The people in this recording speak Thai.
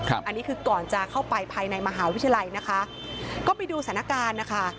อันนี้คือก่อนจะเข้าไปภายในมหาวิทยาลัยนะคะก็ไปดูสถานการณ์นะคะ